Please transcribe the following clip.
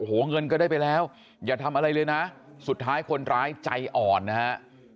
โอ้โหเงินก็ได้ไปแล้วอย่าทำอะไรเลยนะสุดท้ายคนร้ายใจอ่อนนะฮะ